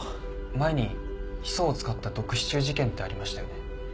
前にヒ素を使った毒シチュー事件ってありましたよね。